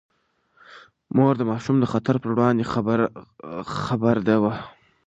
مور د ماشوم د خطر پر وړاندې خبرده ده.